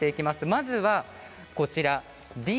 まずはこちらです。